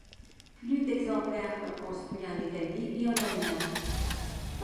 Plus de exemplaires furent construits en Italie et en Allemagne.